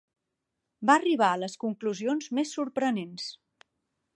Va arribar a les conclusions més sorprenents